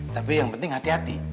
tapi yang penting hati hati